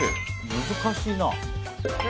難しいな。